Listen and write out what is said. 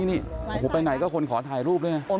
นี่อ๋อไปไหนก็คอยขอถ่ายรูปเลยละ